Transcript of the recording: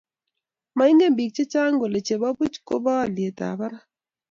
Moingen bik chechang kole chebo buch kobo olyetab barak